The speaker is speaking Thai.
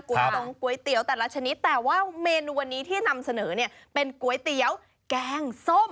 ตรงก๋วยเตี๋ยวแต่ละชนิดแต่ว่าเมนูวันนี้ที่นำเสนอเนี่ยเป็นก๋วยเตี๋ยวแกงส้ม